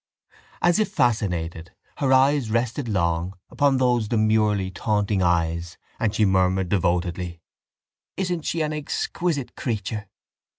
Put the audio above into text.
As if fascinated, her eyes rested long upon those demurely taunting eyes and she murmured devotedly: —Isn't she an exquisite creature?